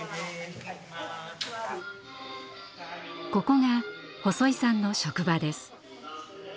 ここが細井さんの職場です。